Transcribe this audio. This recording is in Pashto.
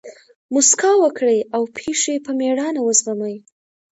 مسکا وکړئ! او پېښي په مېړانه وزغمئ!